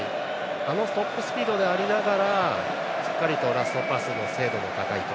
あのトップスピードでありながらラストパスの精度も高い。